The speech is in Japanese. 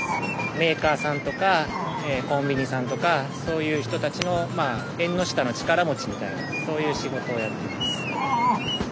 メーカーさんとかコンビニさんとかそういう人たちの縁の下の力持ちみたいなそういう仕事をやってます。